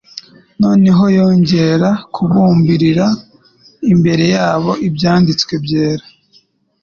Noneho yongera kubumburira imbere yabo Ibyanditswe byera,